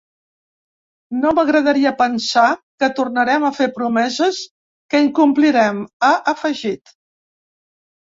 No m’agradaria pensar que tornarem a fer promeses que incomplirem, ha afegit.